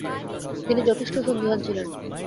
তিনি যথেষ্ট সন্দিহান ছিলেন।